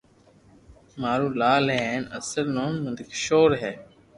مارو لال ھي ھين اصل نوم نند ڪيݾور ھي